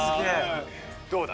どうだ？